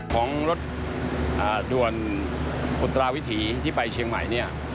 ของรถด่วนอุตราวิถีที่ไปเชียงใหม่เนี่ย